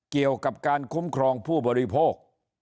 เกี่ยวกับการคุ้มครองผู้บริโภค